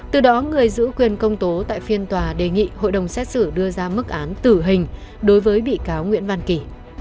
từ đó người giữ quyền công tố tại phiên tòa đề nghị hội đồng xét xử đưa ra mức án tử hình đối với bị cáo nguyễn văn kỳ